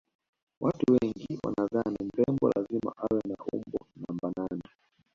watu wengine wanadhani mrembo lazima awe na umbo namba nane